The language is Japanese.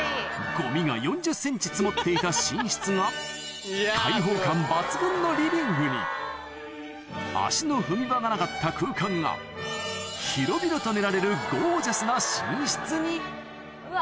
ゴミが４０ｃｍ積もっていた寝室が開放感抜群のリビングに足の踏み場がなかった空間が広々と寝られるゴージャスな寝室にうわ